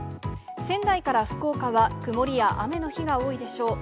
仙台から福岡は曇りや雨の日が多いでしょう。